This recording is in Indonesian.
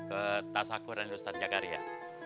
ke tas akuran ustadz jakaria